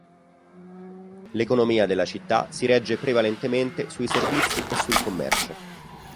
L'economia della città si regge prevalentemente sui servizi e sul commercio.